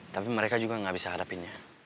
tapi mereka juga gak bisa hadapinya